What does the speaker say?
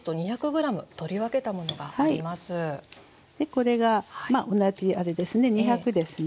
これが同じあれですね２００ですね。